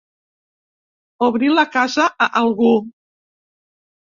Obrir la casa a algú.